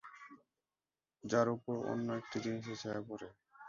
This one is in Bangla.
যার উপর অন্য একটি জিনিসের ছায়া পড়ে।